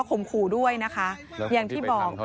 มขู่ด้วยนะคะอย่างที่บอก